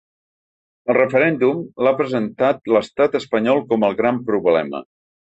El referèndum, l’ha presentat l’estat espanyol com el gran problema.